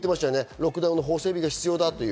ロックダウンの法整備が必要だって。